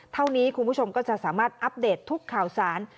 เท่านี้คุณผู้ชมก็จะสามารถอัปเดตทุกข่าวสาร